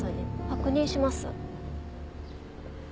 確認します。